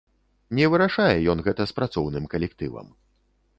Не вырашае ён гэта з працоўным калектывам.